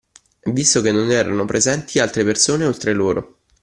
Visto che non erano presenti altre persone oltre loro